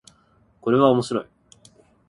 これは面白い